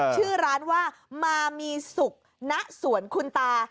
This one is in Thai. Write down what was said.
ชื่อร้านว่ามามีสุขณสวนคุณตา